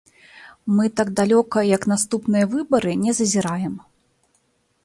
Мы так далёка, як наступныя выбары, не зазіраем.